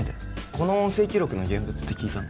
この音声記録の現物って聞いたの？